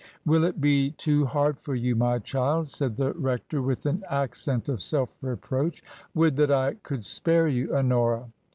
" Will it be too hard for you, my child ?" said the rec 34 TRANSITION. tor, with an accent of self reproach. "Would that I could spare you, Honora